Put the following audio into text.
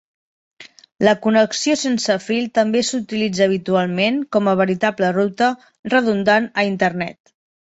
La connexió sense fil també s'utilitza habitualment com a veritable ruta redundant a Internet.